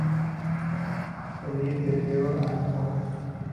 El ir de peor a mejor.